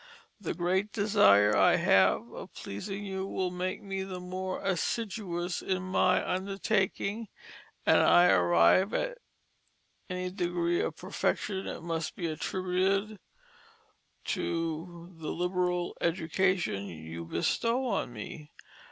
The great Desire I have of pleasing you will make me the more Assiduous in my undertaking, and I arrive at any degree of Perfection it must be Attributed to the Liberal Education you bestow on me.